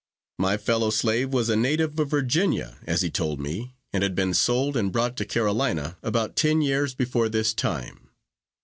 My fellow slave was a native of Virginia, as he told me, and had been sold and brought to Carolina about ten years before this time.